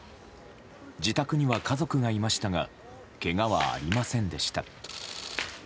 自宅には家族がいましたがけがはありませんでした。